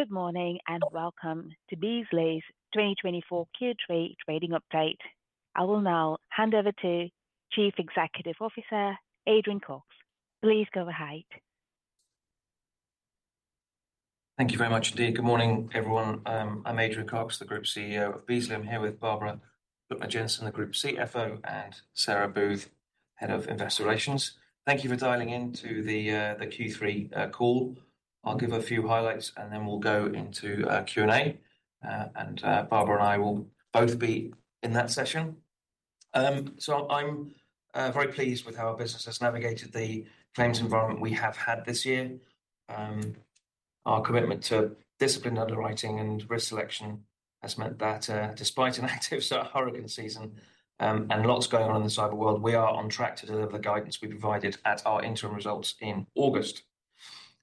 Good morning and welcome to Beazley's 2024 Q3 Trading Update. I will now hand over to Chief Executive Officer Adrian Cox. Please go ahead. Thank you very much, indeed. Good morning, everyone. I'm Adrian Cox, the Group CEO of Beazley. I'm here with Barbara Jensen, the Group CFO, and Sarah Booth, Head of Investor Relations. Thank you for dialing into the Q3 call. I'll give a few highlights, and then we'll go into Q&A, and Barbara and I will both be in that session, so I'm very pleased with how our business has navigated the claims environment we have had this year. Our commitment to disciplined underwriting and risk selection has meant that despite an active hurricane season and lots going on in the cyber world, we are on track to deliver the guidance we provided at our interim results in August.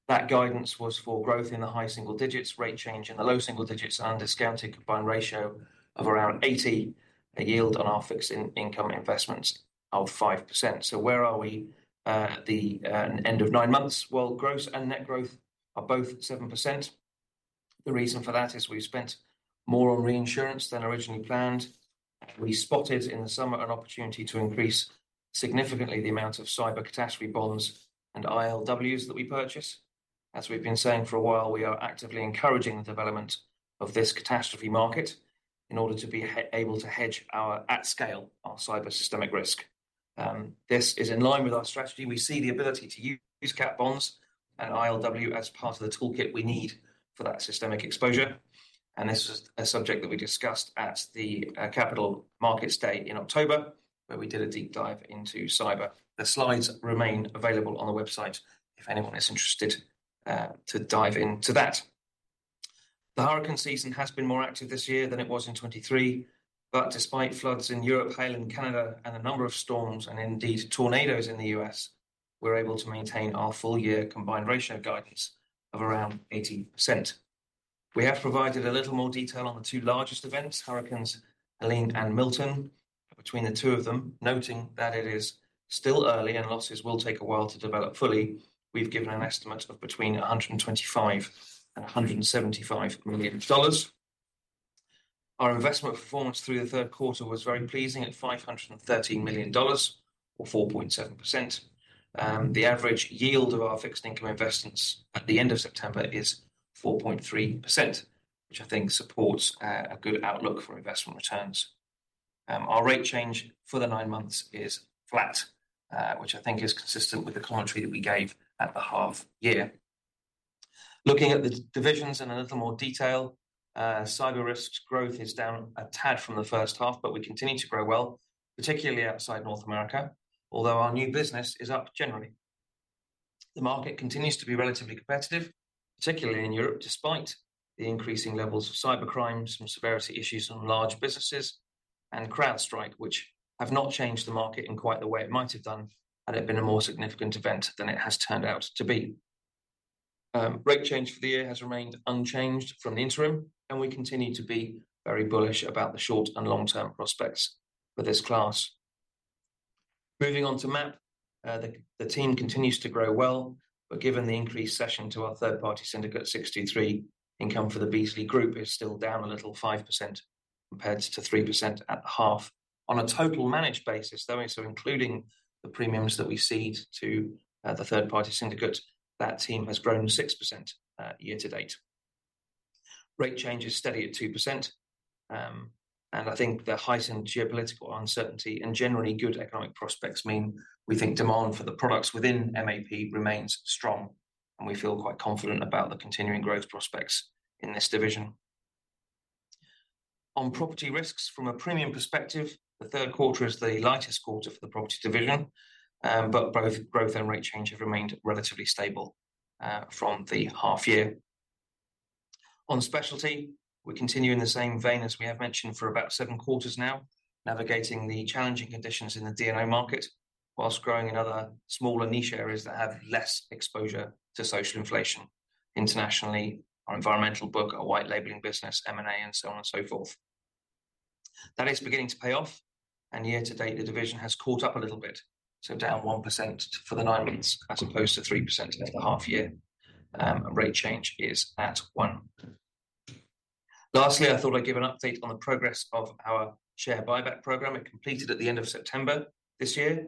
That guidance was for growth in the high single digits, rate change in the low single digits, and a discounted combined ratio of around 80%, a yield on our fixed income investments of 5%. So where are we at the end of nine months? Well, gross and net growth are both 7%. The reason for that is we've spent more on reinsurance than originally planned. We spotted in the summer an opportunity to increase significantly the amount of cyber catastrophe bonds and ILWs that we purchase. As we've been saying for a while, we are actively encouraging the development of this catastrophe market in order to be able to hedge our at-scale cyber systemic risk. This is in line with our strategy. We see the ability to use cat bonds and ILW as part of the toolkit we need for that systemic exposure. This was a subject that we discussed at the Capital Markets Day in October, where we did a deep dive into cyber. The slides remain available on the website if anyone is interested to dive into that. The hurricane season has been more active this year than it was in 2023, but despite floods in Europe, hail in Canada, and a number of storms, and indeed tornadoes in the U.S., we're able to maintain our full year combined ratio guidance of around 80%. We have provided a little more detail on the two largest events, Hurricanes Helene and Milton, between the two of them, noting that it is still early and losses will take a while to develop fully. We've given an estimate of between $125-$175 million. Our investment performance through the third quarter was very pleasing at $513 million, or 4.7%. The average yield of our fixed income investments at the end of September is 4.3%, which I think supports a good outlook for investment returns. Our rate change for the nine months is flat, which I think is consistent with the commentary that we gave at the half year. Looking at the divisions in a little more detail, cyber risk growth is down a tad from the first half, but we continue to grow well, particularly outside North America, although our new business is up generally. The market continues to be relatively competitive, particularly in Europe, despite the increasing levels of cybercrime and some severity issues on large businesses and CrowdStrike, which have not changed the market in quite the way it might have done had it been a more significant event than it has turned out to be. Rate change for the year has remained unchanged from the interim, and we continue to be very bullish about the short and long-term prospects for this class. Moving on to MAP, the team continues to grow well, but given the increased cession to our third-party Syndicate, 623, income for the Beazley Group is still down a little, 5%, compared to 3% at the half. On a total managed basis, though, so including the premiums that we cede to the third-party Syndicate, that team has grown 6% year to date. Rate change is steady at 2%, and I think the heightened geopolitical uncertainty and generally good economic prospects mean we think demand for the products within MAP remains strong, and we feel quite confident about the continuing growth prospects in this division. On property risks, from a premium perspective, the third quarter is the lightest quarter for the property division, but both growth and rate change have remained relatively stable from the half year. On specialty, we continue in the same vein as we have mentioned for about seven quarters now, navigating the challenging conditions in the D&O market while growing in other smaller niche areas that have less exposure to social inflation. Internationally, our environmental book, our white labeling business, M&A, and so on and so forth. That is beginning to pay off, and year to date, the division has caught up a little bit, so down 1% for the nine months as opposed to 3% over the half year. Rate change is at 1%. Lastly, I thought I'd give an update on the progress of our share buyback program. It completed at the end of September this year.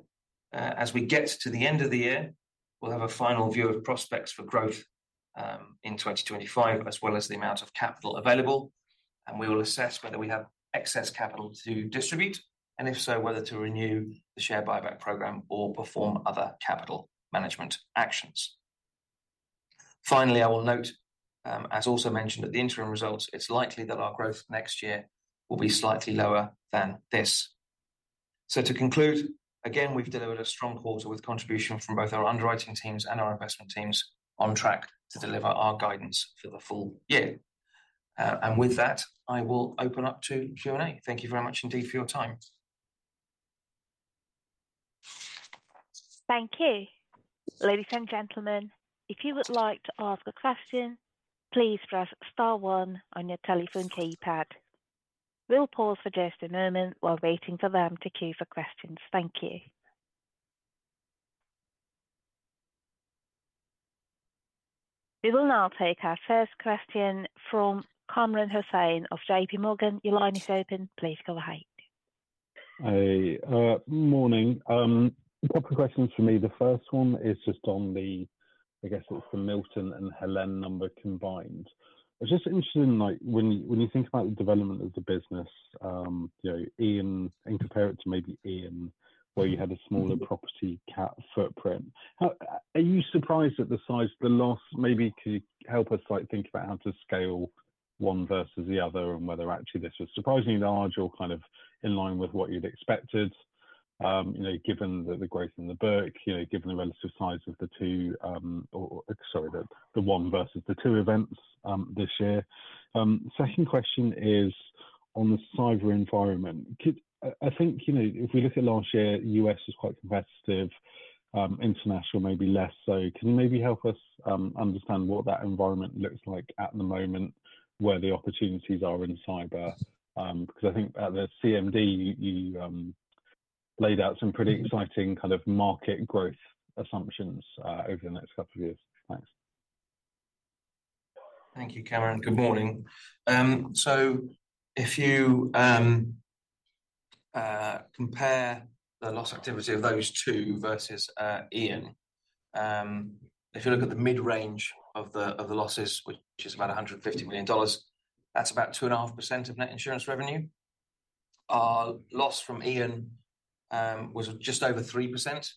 As we get to the end of the year, we'll have a final view of prospects for growth in 2025, as well as the amount of capital available, and we will assess whether we have excess capital to distribute and, if so, whether to renew the share buyback program or perform other capital management actions. Finally, I will note, as also mentioned at the interim results, it's likely that our growth next year will be slightly lower than this. So to conclude, again, we've delivered a strong quarter with contribution from both our underwriting teams and our investment teams on track to deliver our guidance for the full year. And with that, I will open up to Q&A. Thank you very much indeed for your time. Thank you. Ladies and gentlemen, if you would like to ask a question, please press star one on your telephone keypad. We'll pause for just a moment while waiting for them to queue for questions. Thank you. We will now take our first question from Kamran Hossain of J.P. Morgan. Your line is open. Please go ahead. Hey, good morning. A couple of questions for me. The first one is just on the, I guess it's the Milton and Helene number combined. I was just interested in, like, when you think about the development of the business, you know, in comparison to maybe Ian, where you had a smaller property cat footprint, are you surprised at the size of the loss? Maybe could you help us think about how to scale one versus the other and whether actually this was surprisingly large or kind of in line with what you'd expected, you know, given the growth in the book, you know, given the relative size of the two, or sorry, the one versus the two events this year? Second question is on the cyber environment. I think, you know, if we look at last year, the US was quite competitive, international maybe less. So can you maybe help us understand what that environment looks like at the moment, where the opportunities are in cyber? Because I think at the CMD, you laid out some pretty exciting kind of market growth assumptions over the next couple of years. Thanks. Thank you, Kamran. Good morning. So if you compare the loss activity of those two versus Ian, if you look at the mid-range of the losses, which is about $150 million, that's about 2.5% of net insurance revenue. Our loss from Ian was just over 3%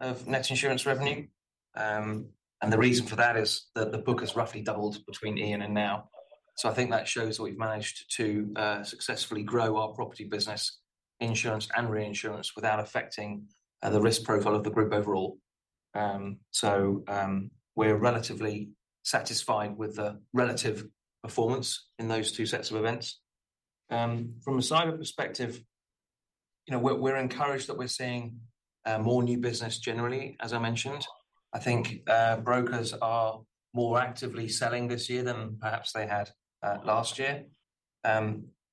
of net insurance revenue. And the reason for that is that the book has roughly doubled between Ian and now. So I think that shows what we've managed to successfully grow our property business insurance and reinsurance without affecting the risk profile of the group overall. So we're relatively satisfied with the relative performance in those two sets of events. From a cyber perspective, you know, we're encouraged that we're seeing more new business generally, as I mentioned. I think brokers are more actively selling this year than perhaps they had last year.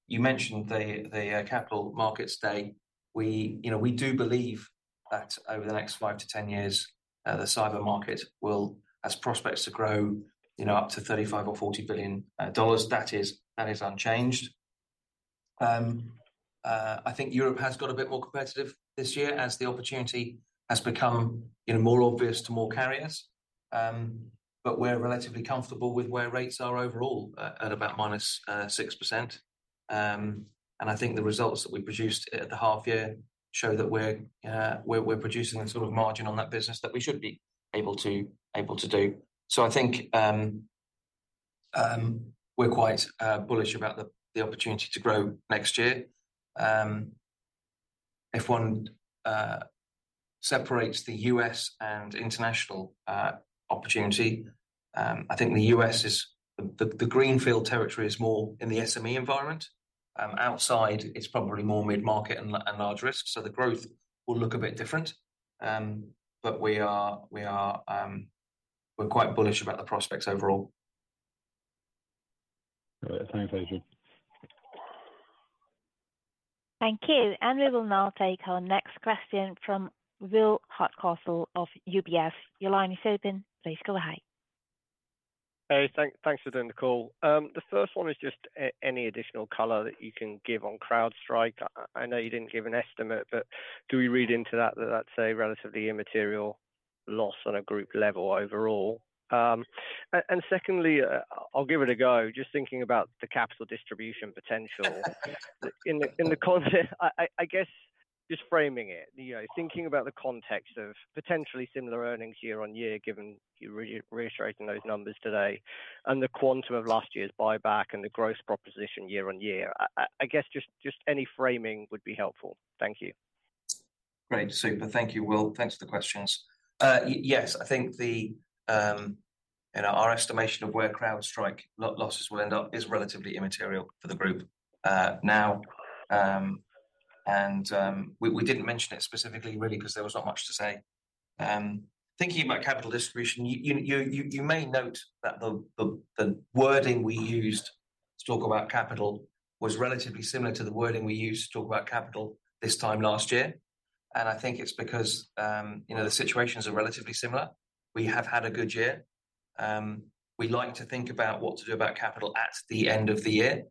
You mentioned the Capital Markets Day. We, you know, we do believe that over the next 5 to 10 years, the cyber market will have prospects to grow, you know, up to $35 or $40 billion. That is unchanged. I think Europe has got a bit more competitive this year as the opportunity has become, you know, more obvious to more carriers, but we're relatively comfortable with where rates are overall at about minus 6%. And I think the results that we produced at the half year show that we're producing a sort of margin on that business that we should be able to do, so I think we're quite bullish about the opportunity to grow next year. If one separates the U.S. and international opportunity, I think the U.S. is the greenfield territory is more in the SME environment. Outside, it's probably more mid-market and large risk. So the growth will look a bit different. But we are quite bullish about the prospects overall. Thanks, Adrian. Thank you. And we will now take our next question from Will Hardcastle of UBS. Your line is open. Please go ahead. Hey, thanks for doing the call. The first one is just any additional color that you can give on CrowdStrike. I know you didn't give an estimate, but do we read into that that that's a relatively immaterial loss on a group level overall? And secondly, I'll give it a go, just thinking about the capital distribution potential. In the context, I guess just framing it, you know, thinking about the context of potentially similar earnings year on year, given you reiterating those numbers today, and the quantum of last year's buyback and the gross proposition year on year, I guess just any framing would be helpful. Thank you. Great. Super. Thank you, Will. Thanks for the questions. Yes, I think the, you know, our estimation of where CrowdStrike losses will end up is relatively immaterial for the group now. And we didn't mention it specifically, really, because there was not much to say. Thinking about capital distribution, you may note that the wording we used to talk about capital was relatively similar to the wording we used to talk about capital this time last year. And I think it's because, you know, the situations are relatively similar. We have had a good year. We like to think about what to do about capital at the end of the year.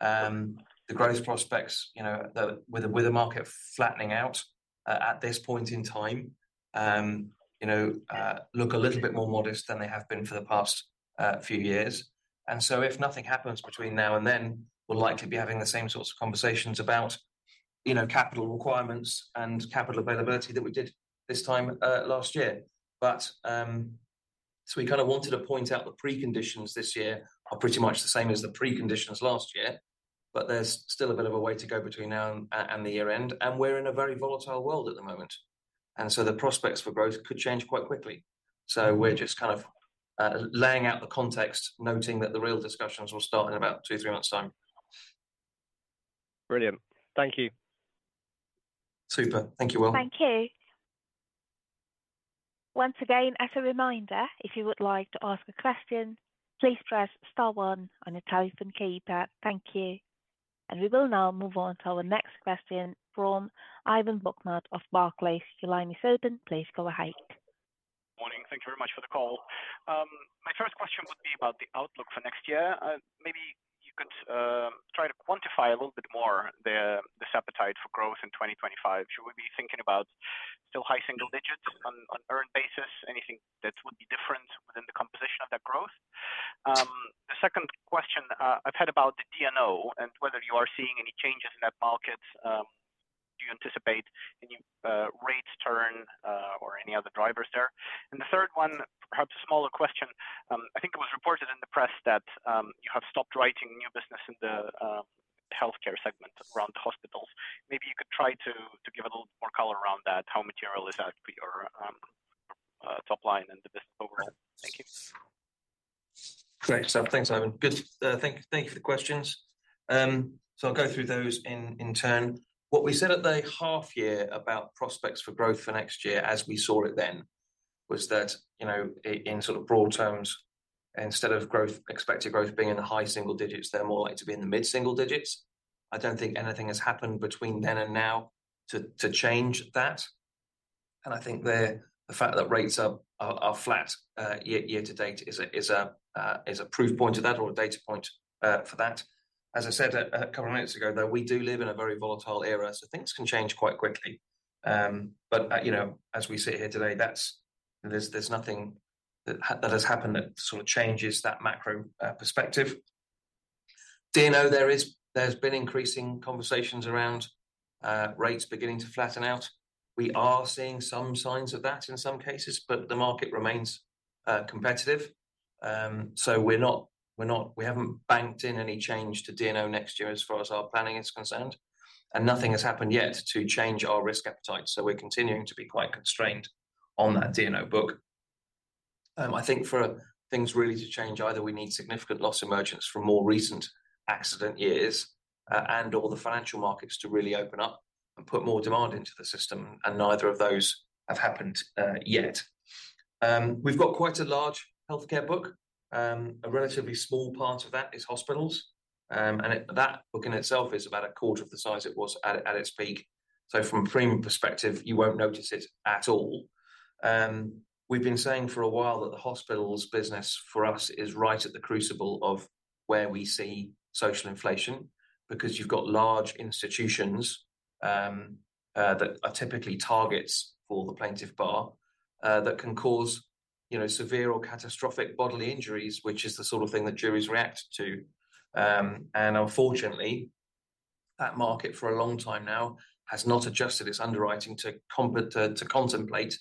The growth prospects, you know, with the market flattening out at this point in time, you know, look a little bit more modest than they have been for the past few years. And so if nothing happens between now and then, we'll likely be having the same sorts of conversations about, you know, capital requirements and capital availability that we did this time last year. But so we kind of wanted to point out the preconditions this year are pretty much the same as the preconditions last year, but there's still a bit of a way to go between now and the year end. And we're in a very volatile world at the moment. And so the prospects for growth could change quite quickly. So we're just kind of laying out the context, noting that the real discussions will start in about two, three months' time. Brilliant. Thank you. Super. Thank you, Will. Thank you. Once again, as a reminder, if you would like to ask a question, please press star one on your telephone keypad. Thank you. And we will now move on to our next question from Ivan Bokhmat of Barclays. Your line is open. Please go ahead. Good morning. Thank you very much for the call. My first question would be about the outlook for next year. Maybe you could try to quantify a little bit more this appetite for growth in 2025. Should we be thinking about still high single digits on an earned basis? Anything that would be different within the composition of that growth? The second question I've had about the D&O and whether you are seeing any changes in that market. Do you anticipate any rate turn or any other drivers there? And the third one, perhaps a smaller question. I think it was reported in the press that you have stopped writing new business in the healthcare segment around hospitals. Maybe you could try to give a little more color around that. How material is that for your top line and the business overall? Thank you. Great. Thanks, Ivan. Good. Thank you for the questions. So I'll go through those in turn. What we said at the half year about prospects for growth for next year as we saw it then was that, you know, in sort of broad terms, instead of growth, expected growth being in the high single digits, they're more likely to be in the mid single digits. I don't think anything has happened between then and now to change that. And I think the fact that rates are flat year to date is a proof point of that or a data point for that. As I said a couple of minutes ago, though, we do live in a very volatile era, so things can change quite quickly. But, you know, as we sit here today, there's nothing that has happened that sort of changes that macro perspective. D&O, there's been increasing conversations around rates beginning to flatten out. We are seeing some signs of that in some cases, but the market remains competitive. So we're not, we haven't banked in any change to D&O next year as far as our planning is concerned. And nothing has happened yet to change our risk appetite. So we're continuing to be quite constrained on that D&O book. I think for things really to change, either we need significant loss emergence from more recent accident years and/or the financial markets to really open up and put more demand into the system. And neither of those have happened yet. We've got quite a large healthcare book. A relatively small part of that is hospitals. And that book in itself is about a quarter of the size it was at its peak. So from a premium perspective, you won't notice it at all. We've been saying for a while that the hospitals business for us is right at the crucible of where we see social inflation because you've got large institutions that are typically targets for the plaintiff bar that can cause, you know, severe or catastrophic bodily injuries, which is the sort of thing that juries react to, and unfortunately, that market for a long time now has not adjusted its underwriting to contemplate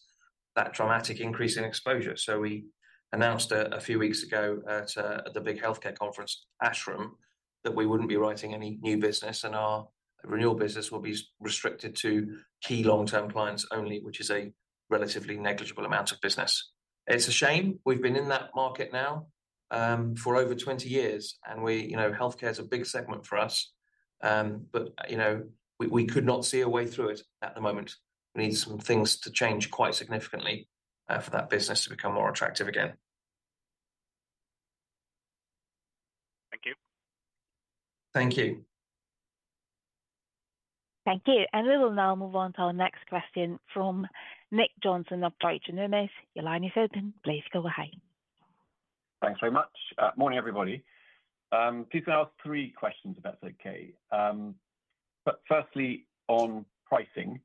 that dramatic increase in exposure, so we announced a few weeks ago at the big healthcare conference, ASHRM, that we wouldn't be writing any new business and our renewal business will be restricted to key long-term clients only, which is a relatively negligible amount of business. It's a shame. We've been in that market now for over 20 years and we, you know, healthcare is a big segment for us. But, you know, we could not see a way through it at the moment. We need some things to change quite significantly for that business to become more attractive again. Thank you. Thank you. Thank you. And we will now move on to our next question from Nick Johnson of Deutsche Numis. Your line is open. Please go ahead. Thanks very much. Morning, everybody. Please can I ask three questions about is that okay? But firstly, on pricing.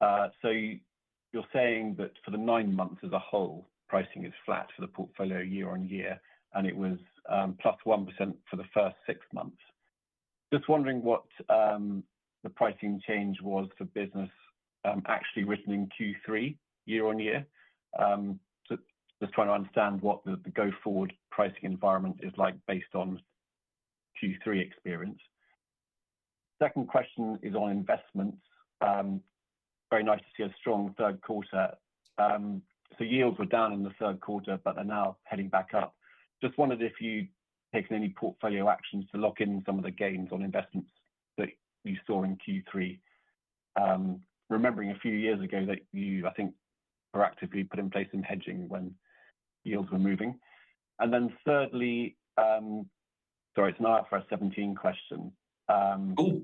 So you're saying that for the nine months as a whole, pricing is flat for the portfolio year on year and it was plus 1% for the first six months. Just wondering what the pricing change was for business actually written in Q3 year on year. Just trying to understand what the go-forward pricing environment is like based on Q3 experience. Second question is on investments. Very nice to see a strong third quarter. So yields were down in the third quarter, but they're now heading back up. Just wondered if you've taken any portfolio actions to lock in some of the gains on investments that you saw in Q3, remembering a few years ago that you, I think, were actively putting in place some hedging when yields were moving. And then thirdly, sorry, it's now our IFRS 17 question. Cool.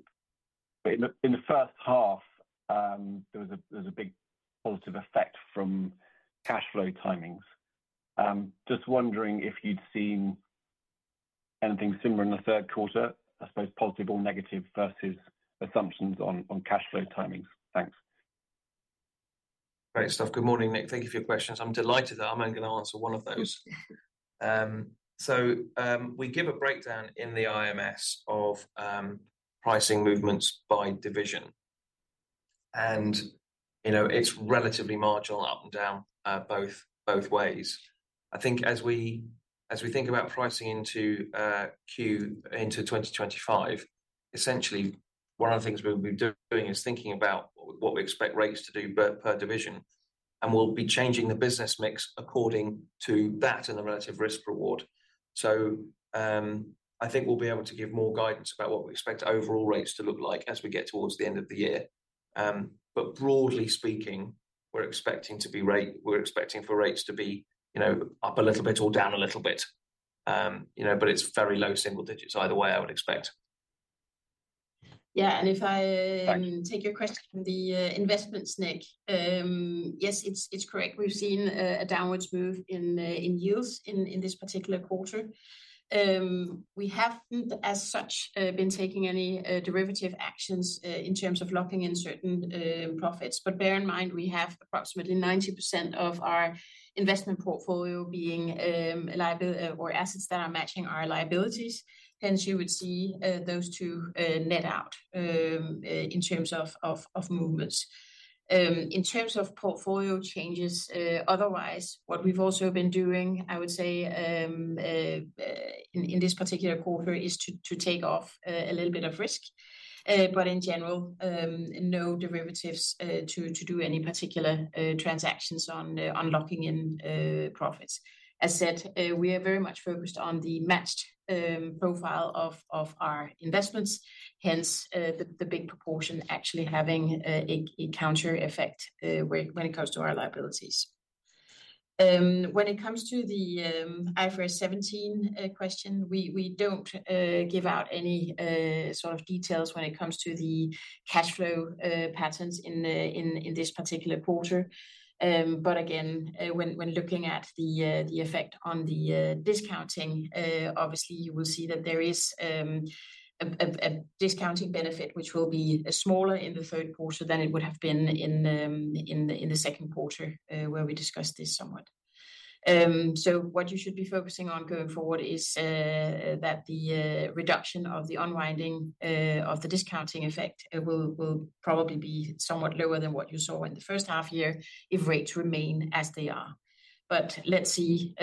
In the first half, there was a big positive effect from cash flow timings. Just wondering if you'd seen anything similar in the third quarter, I suppose positive or negative versus assumptions on cash flow timings? Thanks. Great stuff. Good morning, Nick. Thank you for your questions. I'm delighted that I'm only going to answer one of those. So we give a breakdown in the IMS of pricing movements by division. And, you know, it's relatively marginal up and down both ways. I think as we think about pricing into Q into 2025, essentially one of the things we'll be doing is thinking about what we expect rates to do per division. And we'll be changing the business mix according to that and the relative risk reward. So I think we'll be able to give more guidance about what we expect overall rates to look like as we get towards the end of the year. But broadly speaking, we're expecting for rates to be, you know, up a little bit or down a little bit, you know, but it's very low single digits either way, I would expect. Yeah. And if I take your question, the investments, Nick, yes, it's correct. We've seen a downward move in yields in this particular quarter. We haven't as such been taking any derivative actions in terms of locking in certain profits. But bear in mind, we have approximately 90% of our investment portfolio being liabilities or assets that are matching our liabilities. Hence, you would see those two net out in terms of movements. In terms of portfolio changes, otherwise, what we've also been doing, I would say in this particular quarter is to take off a little bit of risk. But in general, no derivatives to do any particular transactions on locking in profits. As said, we are very much focused on the matched profile of our investments. Hence, the big proportion actually having a counter effect when it comes to our liabilities. When it comes to the IFRS 17 question, we don't give out any sort of details when it comes to the cash flow patterns in this particular quarter. But again, when looking at the effect on the discounting, obviously, you will see that there is a discounting benefit, which will be smaller in the third quarter than it would have been in the second quarter where we discussed this somewhat. So what you should be focusing on going forward is that the reduction of the unwinding of the discounting effect will probably be somewhat lower than what you saw in the first half year if rates remain as they are. But let's see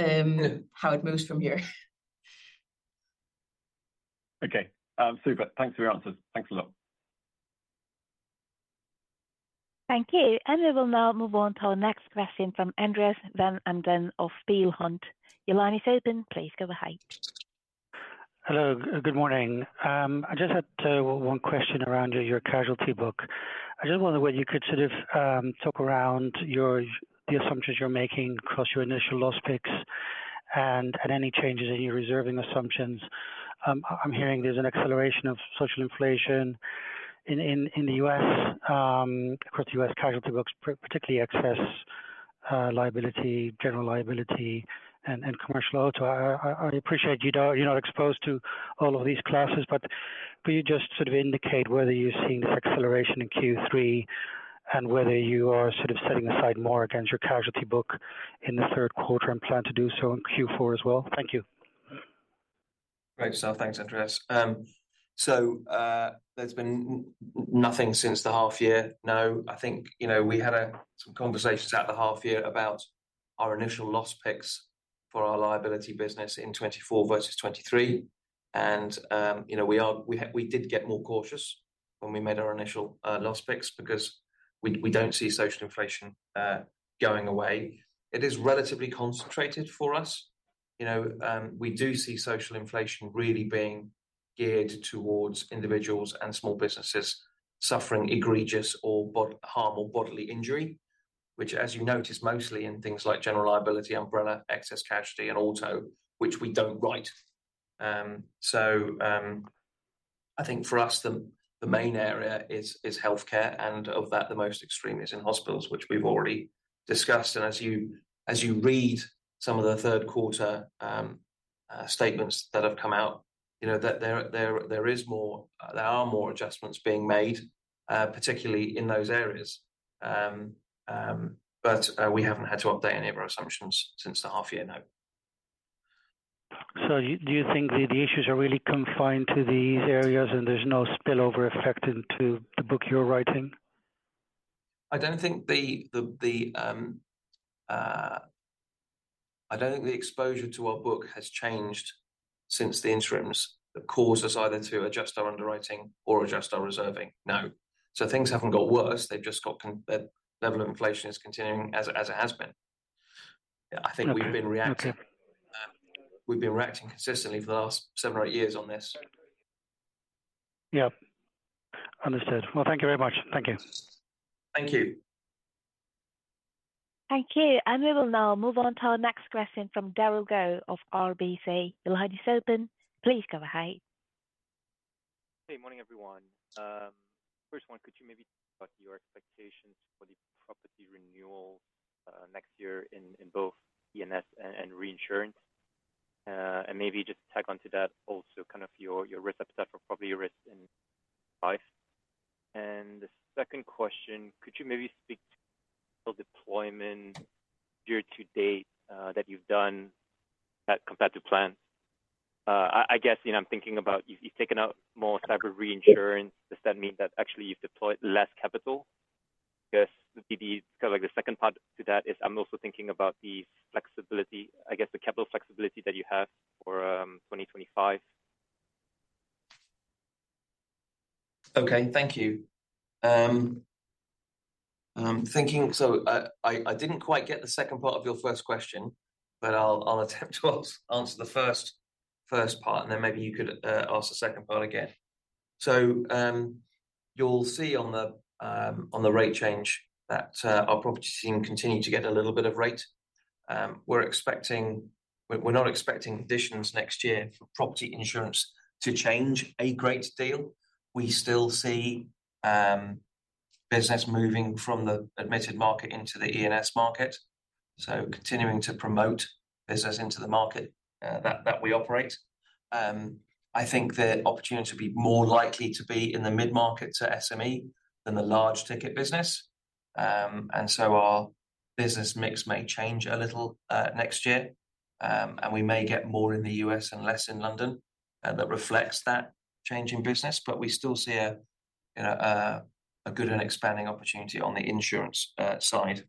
how it moves from here. Okay. Super. Thanks for your answers. Thanks a lot. Thank you. And we will now move on to our next question from Andreas van Embden of Peel Hunt. Your line is open. Please go ahead. Hello. Good morning. I just had one question around your casualty book. I just wondered whether you could sort of talk around the assumptions you're making across your initial loss picks and any changes in your reserving assumptions. I'm hearing there's an acceleration of social inflation in the U.S., across the U.S. casualty books, particularly excess liability, general liability, and commercial auto. I appreciate you're not exposed to all of these classes, but could you just sort of indicate whether you're seeing this acceleration in Q3 and whether you are sort of setting aside more against your casualty book in the third quarter and plan to do so in Q4 as well? Thank you. Great stuff. Thanks, Andreas. So there's been nothing since the half year. No, I think, you know, we had some conversations after the half year about our initial loss picks for our liability business in 2024 versus 2023. And, you know, we did get more cautious when we made our initial loss picks because we don't see social inflation going away. It is relatively concentrated for us. You know, we do see social inflation really being geared towards individuals and small businesses suffering egregious harm or bodily injury, which, as you notice, mostly in things like general liability umbrella, excess casualty, and auto, which we don't write. So I think for us, the main area is healthcare and of that, the most extreme is in hospitals, which we've already discussed. As you read some of the third quarter statements that have come out, you know, there are more adjustments being made, particularly in those areas. But we haven't had to update any of our assumptions since the half year, no. Do you think the issues are really confined to these areas and there's no spillover effect into the book you're writing? I don't think the exposure to our book has changed since the interims that caused us either to adjust our underwriting or adjust our reserving. No. So things haven't got worse. They've just got the level of inflation is continuing as it has been. I think we've been reacting consistently for the last seven or eight years on this. Yeah. Understood. Well, thank you very much. Thank you. Thank you. Thank you. And we will now move on to our next question from Darragh Quinn of RBC. Your line is open. Please go ahead. Hey, morning, everyone. First one, could you maybe talk about your expectations for the property renewal next year in both E&S and reinsurance? And maybe just tack on to that also kind of your risk appetite for property risk in light. And the second question, could you maybe speak to deployment year to date that you've done compared to plans? I guess, you know, I'm thinking about you've taken out more cyber reinsurance. Does that mean that actually you've deployed less capital? Because kind of like the second part to that is I'm also thinking about the flexibility, I guess the capital flexibility that you have for 2025. Okay. Thank you. So I didn't quite get the second part of your first question, but I'll attempt to answer the first part and then maybe you could ask the second part again. So you'll see on the rate change that our property team continue to get a little bit of rate. We're not expecting additions next year for property insurance to change a great deal. We still see business moving from the admitted market into the E&S market. So continuing to promote business into the market that we operate. I think the opportunity to be more likely to be in the mid-market to SME than the large ticket business. And so our business mix may change a little next year. And we may get more in the U.S. and less in London that reflects that change in business. But we still see a good and expanding opportunity on the insurance side.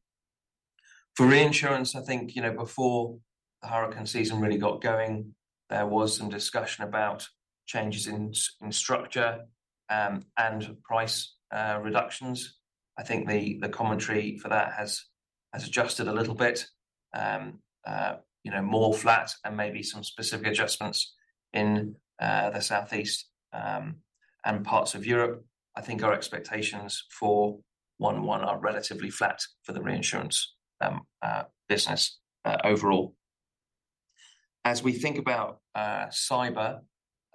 For reinsurance, I think, you know, before the hurricane season really got going, there was some discussion about changes in structure and price reductions. I think the commentary for that has adjusted a little bit, you know, more flat and maybe some specific adjustments in the Southeast and parts of Europe. I think our expectations for 1/1 are relatively flat for the reinsurance business overall. As we think about cyber,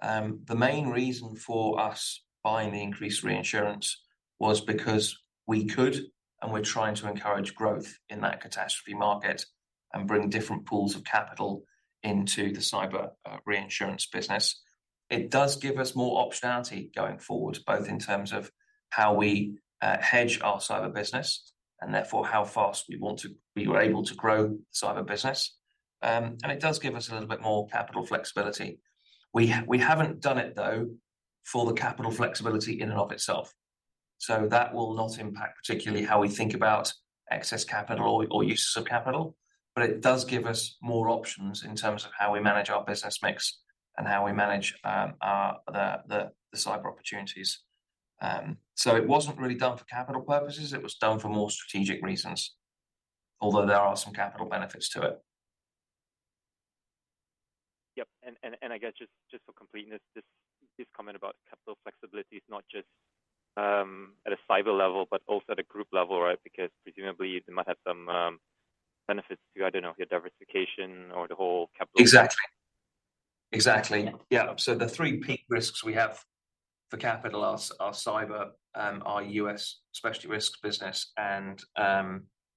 the main reason for us buying the increased reinsurance was because we could and we're trying to encourage growth in that catastrophe market and bring different pools of capital into the cyber reinsurance business. It does give us more optionality going forward, both in terms of how we hedge our cyber business and therefore how fast we want to be able to grow the cyber business. It does give us a little bit more capital flexibility. We haven't done it, though, for the capital flexibility in and of itself. That will not impact particularly how we think about excess capital or uses of capital. It does give us more options in terms of how we manage our business mix and how we manage the cyber opportunities. It wasn't really done for capital purposes. It was done for more strategic reasons, although there are some capital benefits to it. Yep. And I guess just for completeness, this comment about capital flexibility is not just at a cyber level, but also at a group level, right? Because presumably they might have some benefits to, I don't know, your diversification or the whole capital. Exactly. Exactly. Yeah. So the three peak risks we have for capital are cyber, our U.S. specialty risk business, and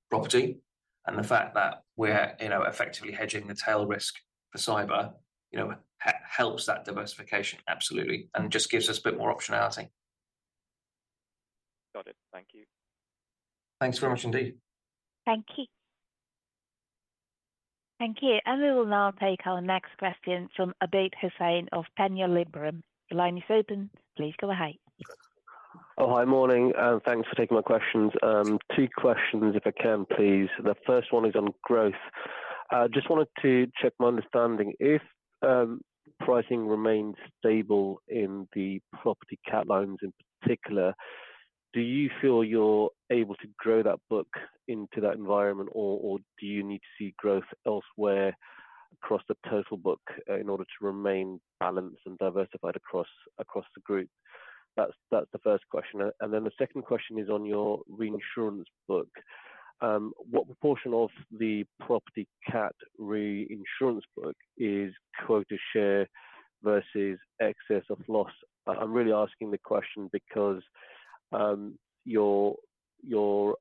property. And the fact that we're effectively hedging the tail risk for cyber, you know, helps that diversification absolutely and just gives us a bit more optionality. Got it. Thank you. Thanks very much indeed. Thank you. Thank you. And we will now take our next question from Abid Hussain of Panmure Liberum. Your line is open. Please go ahead. Oh, hi, morning. Thanks for taking my questions. Two questions, if I can, please. The first one is on growth. Just wanted to check my understanding. If pricing remains stable in the property cat lines in particular, do you feel you're able to grow that book into that environment, or do you need to see growth elsewhere across the total book in order to remain balanced and diversified across the group? That's the first question. And then the second question is on your reinsurance book. What proportion of the property cat reinsurance book is quota share versus excess of loss? I'm really asking the question because your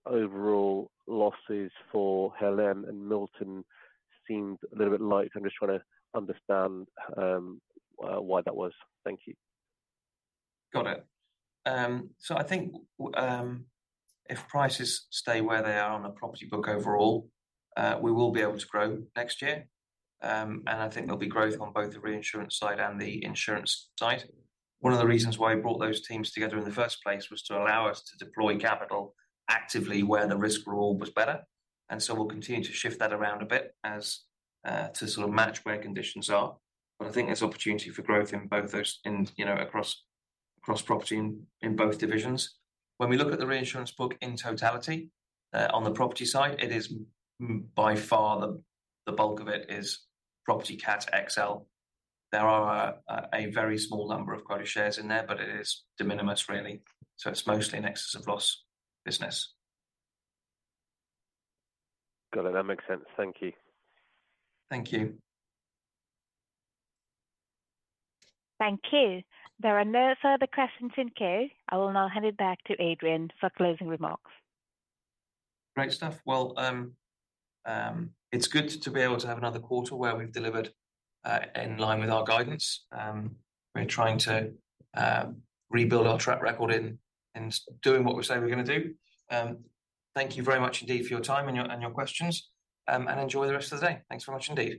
overall losses for Helene and Milton seemed a little bit light. I'm just trying to understand why that was. Thank you. Got it. So I think if prices stay where they are on the property book overall, we will be able to grow next year. And I think there'll be growth on both the reinsurance side and the insurance side. One of the reasons why we brought those teams together in the first place was to allow us to deploy capital actively where the risk-reward was better. And so we'll continue to shift that around a bit to sort of match where conditions are. But I think there's opportunity for growth in both those across property in both divisions. When we look at the reinsurance book in totality on the property side, it is by far the bulk of it is property cat XL. There are a very small number of quota shares in there, but it is de minimis, really. So it's mostly an excess of loss business. Got it. That makes sense. Thank you. Thank you. Thank you. There are no further questions in queue. I will now hand it back to Adrian for closing remarks. Great stuff. Well, it's good to be able to have another quarter where we've delivered in line with our guidance. We're trying to rebuild our track record in doing what we say we're going to do. Thank you very much indeed for your time and your questions. And enjoy the rest of the day. Thanks very much indeed.